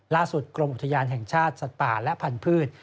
ล่าสุดกรมอุทยานแห่งชาติสัตว์ป่าและพันพืช